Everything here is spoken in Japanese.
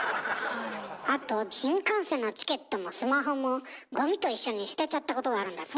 あと新幹線のチケットもスマホもゴミと一緒に捨てちゃったことがあるんだって？